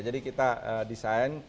jadi kita desain